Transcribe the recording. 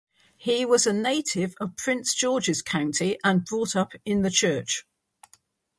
He was a native of Prince George's County and brought up in the church.